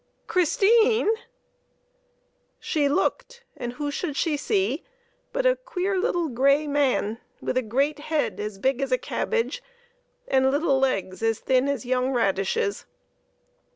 Christine !" She looked, and who should she see but a queer little gray man, with a great head as big as a cabbage and little legs as thin as young radishes.